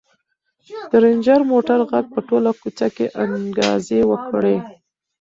د رنجر موټر غږ په ټوله کوڅه کې انګازې وکړې.